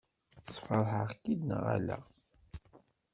Sfeṛḥeɣ-k-id neɣ ala?